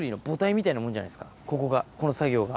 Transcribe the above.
ここがこの作業が。